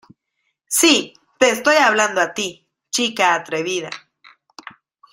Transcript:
Sí, te estoy hablando a ti, chica atrevida.